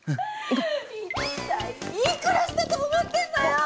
一体いくらしたと思ってんのよ！